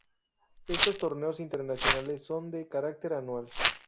Estos torneos internacionales son de carácter anual.